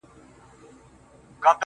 هغې ويله چي تل پرېشان ښه دی